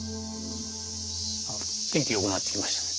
天気良くなってきましたね。